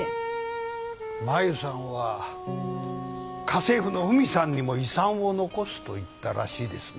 マユさんは家政婦のフミさんにも遺産を残すと言ったらしいですね。